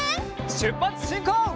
しゅっぱつしんこう！